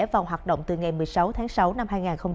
vào hoạt động từ ngày một mươi sáu tháng sáu năm hai nghìn hai mươi